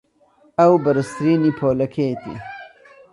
ئەو بەرزترینی پۆلەکەیەتی.